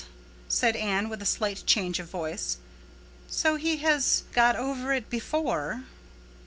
_" said Anne with a slight change of voice. "So he has 'got over it' before?"